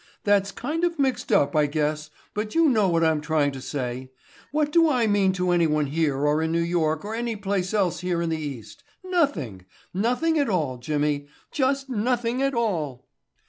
That's kind of mixed up, I guess, but you know what I'm trying to say. What do I mean to anyone here or in New York or any place else here in the east? Nothing—nothing at all, Jimmy—just nothing at all."